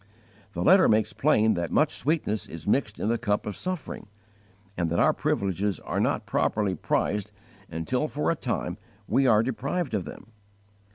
The letter makes plain that much sweetness is mixed in the cup of suffering, and that our privileges are not properly prized until for a time we are deprived of them.